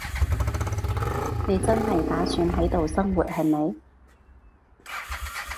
你真係打算喺度生活，係咪？